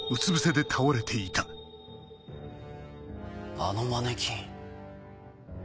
あのマネキン。